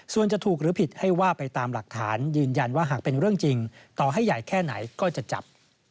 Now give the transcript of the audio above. ส่วนจะถูกหรือผิดให้ว่าไปตามหลักฐานยืนยันว่าหากเป็นเรื่องจริงต่อให้ใหญ่แค่ไหนก็จะจับ